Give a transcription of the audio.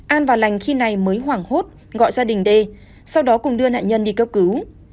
an và lành khi này mới hoảng hốt gọi gia đình d sau đó cùng đưa nạn nhân đi cấp cứu